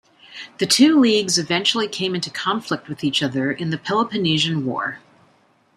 The two Leagues eventually came into conflict with each other in the Peloponnesian War.